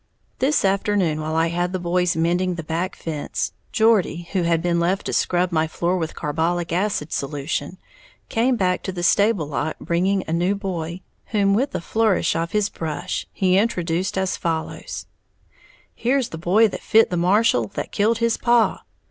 "] This afternoon while I had the boys mending the back fence, Geordie, who had been left to scrub my floor with carbolic acid solution, came back to the stable lot bringing a new boy, whom with a flourish of his brush he introduced as follows: "Here's the boy that fit the marshal that kilt his paw.